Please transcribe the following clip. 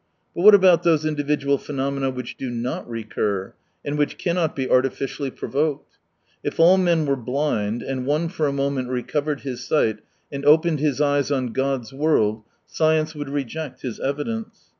But what about those individual phenomena which do not recur, and which cannot be artificially provoked ? If all men were blind, and one for a moment recovered his sight and opened his eyes on God's world, science would reject his evidence.